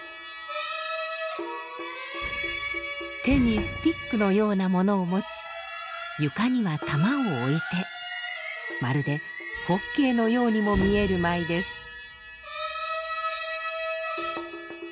手にスティックのようなものを持ち床には玉を置いてまるでホッケーのようにも見える舞です。